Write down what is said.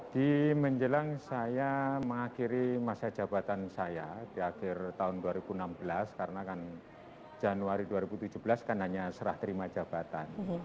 di menjelang saya mengakhiri masa jabatan saya di akhir tahun dua ribu enam belas karena kan januari dua ribu tujuh belas kan hanya serah terima jabatan